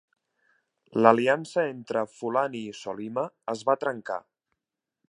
L'aliança entre Fulani i Solima es va trencar.